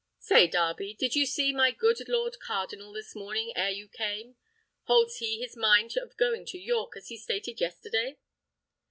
Say, Darby, did you see my good lord cardinal this morning ere you came? Holds he his mind of going to York, as he stated yesterday?"